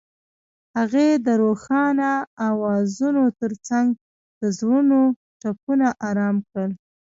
هغې د روښانه اوازونو ترڅنګ د زړونو ټپونه آرام کړل.